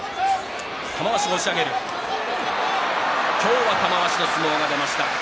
今日は玉鷲の相撲が出ました。